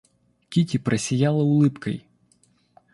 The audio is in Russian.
Кити просияла улыбкой.